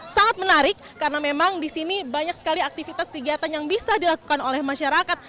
sangat menarik karena memang di sini banyak sekali aktivitas kegiatan yang bisa dilakukan oleh masyarakat